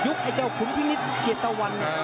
ยุบไอ้เจ้าขุนพี่นิดเอียดตะวันเนี่ย